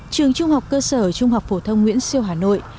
trường trung học cơ sở trung học phổ thông nguyễn siêu hà nội